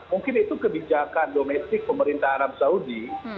mungkin itu kebijakan domestik pemerintah arab saudi